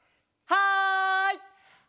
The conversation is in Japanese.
はい。